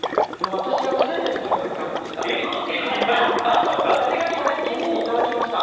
私はスウェーデンで食べたことありました。